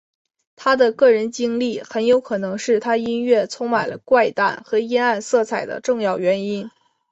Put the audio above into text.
他的个人经历很有可能是他音乐充满了怪诞和阴暗色彩的重要原因。